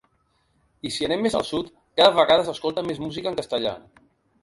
I, si anem més al sud, cada vegada s’escolta més música en castellà.